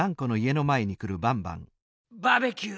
バーベキュー